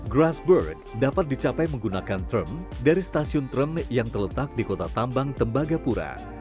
grassberg dapat dicapai menggunakan term dari stasiun term yang terletak di kota tambang tembagapura